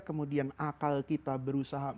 kemudian akal kita berusaha